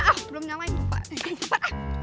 belum nyalain lupa